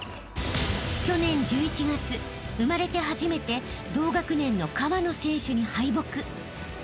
［去年１１月生まれて初めて同学年の川野選手に敗北］